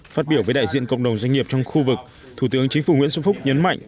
phát biểu với đại diện cộng đồng doanh nghiệp trong khu vực thủ tướng chính phủ nguyễn xuân phúc nhấn mạnh